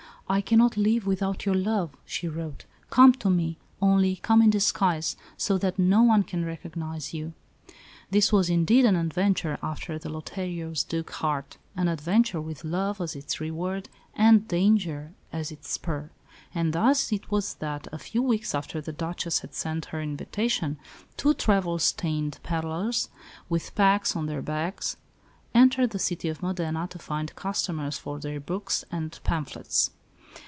"I cannot live without your love," she wrote. "Come to me only, come in disguise, so that no one can recognise you." This was indeed an adventure after the Lothario Duc's heart an adventure with love as its reward and danger as its spur. And thus it was that, a few weeks after the Duchess had sent her invitation, two travel stained pedlars, with packs on their backs, entered the city of Modena to find customers for their books and phamphlets.